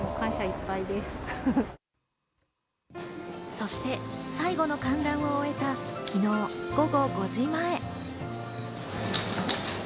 そして最後の観覧を終えた昨日午後５時前。